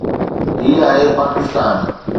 هي آهي پاڪستان.